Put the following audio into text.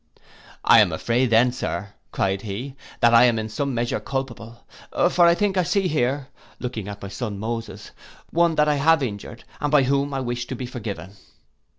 'I am afraid then, sir,' cried he, 'that I am in some measure culpable; for I think I see here (looking at my son Moses) one that I have injured, and by whom I wish to be forgiven.